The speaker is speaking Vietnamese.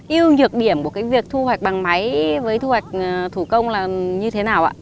yêu nhược điểm của cái việc thu hoạch bằng máy với thu hoạch thủ công là như thế nào ạ